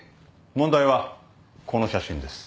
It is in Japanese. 問題はこの写真です。